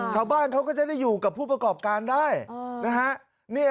ถามคุณผู้ชมก็ได้